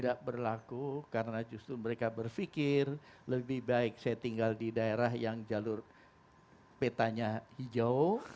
tidak berlaku karena justru mereka berpikir lebih baik saya tinggal di daerah yang jalur petanya hijau